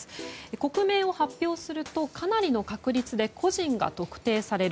国名を発表するとかなりの確率で個人が特定される。